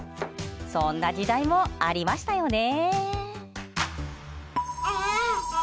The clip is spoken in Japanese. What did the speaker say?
そんな時代もありましたよね。